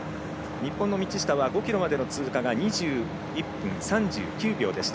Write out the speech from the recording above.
日本の道下は５ｋｍまでの通過が２１分３９秒でした。